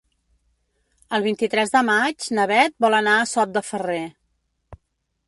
El vint-i-tres de maig na Beth vol anar a Sot de Ferrer.